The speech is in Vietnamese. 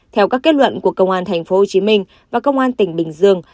theo các kết luận của công an tp hcm và công an tỉnh bình dương